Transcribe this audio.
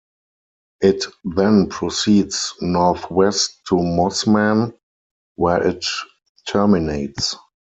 It then proceeds north-west to Mossman where it terminates.